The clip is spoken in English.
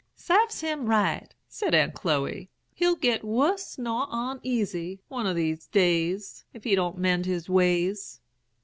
"'Sarves him right!' said Aunt Chloe. 'He'll git wus nor oneasy, one of these days, if he don't mend his ways.'